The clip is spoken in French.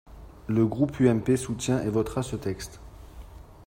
Le groupe UMP soutient et votera ce texte.